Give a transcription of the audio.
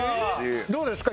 どうですか？